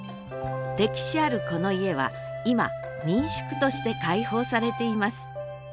歴史あるこの家は今民宿として開放されています。